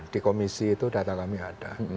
di komisi itu data kami ada